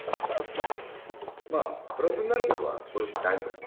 プラスになることは正直ないと思う。